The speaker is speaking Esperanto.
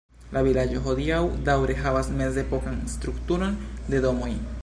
La vilaĝo hodiaŭ daŭre havas mezepokan strukturon de domoj.